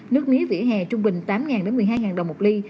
nước mía vỉa hè trung bình tám một mươi hai đồng một ly